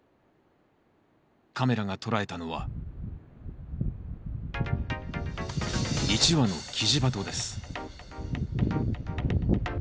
カメラが捉えたのは一羽のキジバトです